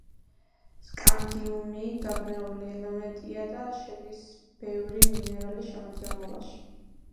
სკანდიუმი გაბნეული ელემენტია და შედის ბევრი მინერალის შემადგენლობაში.